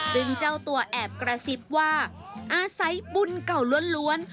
ซึ่งเจ้าตัวแอบกระซิบว่าอาศัยบุญเก่าล้วน